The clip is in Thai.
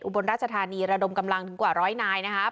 บนราชธานีระดมกำลังถึงกว่าร้อยนายนะครับ